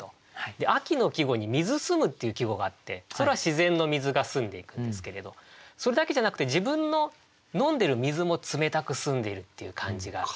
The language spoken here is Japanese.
秋の季語に「水澄む」っていう季語があってそれは自然の水が澄んでいくんですけれどそれだけじゃなくて自分の飲んでる水も冷たく澄んでいるっていう感じが出てくると。